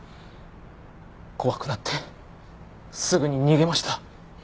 怖くなってすぐに逃げました。